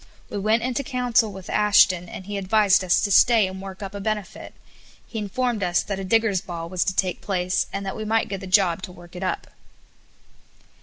We went into council with Ashton, and he advised us to stay and work up a benefit. He informed us that a digger's ball was to take place, and that we might get the job to work it up.